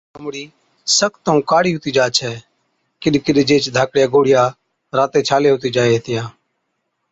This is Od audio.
ويهچ جائِي چِي چمڙِي سخت ائُون ڪاڙِي هُتِي جا ڇَي ڪِڏ ڪِڏ جيهچ ڌاڪڙِيا گوڙهِيا راتي ڇالي هُتِي جائي هِتِيا